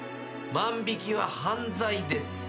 万引は犯罪です。